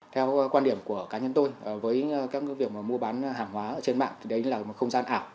theo quan điểm của cá nhân tôi với các việc mua bán hàng hóa trên mạng thì đấy là một không gian ảo